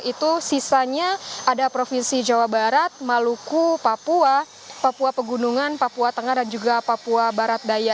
itu sisanya ada provinsi jawa barat maluku papua papua pegunungan papua tengah dan juga papua barat daya